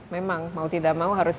memang mau tidak mau harus